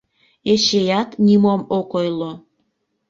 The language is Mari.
Эчеят нимом ок ойло.